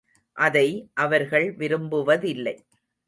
அதை அவர்கள் விரும்புவதில்லை.